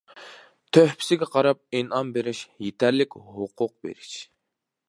تۆھپىسىگە قاراپ ئىنئام بېرىش، يېتەرلىك ھوقۇق بېرىش.